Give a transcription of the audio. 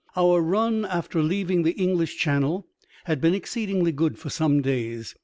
Our run after leaving the English Channel had been exceedingly good for some days.